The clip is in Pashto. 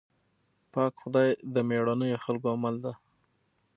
پاک خدای د مېړنيو خلکو مل دی.